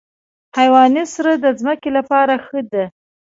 حیواني سره د ځمکې لپاره ښه ده.